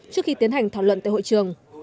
trước khi tiến hành thảo luận tại hội trường